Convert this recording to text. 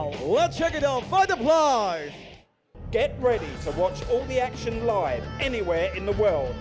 แอปแรกสูงจุดจากตาอาหารมิวเทียนจะปล่อยเรื่องโมบัลแอป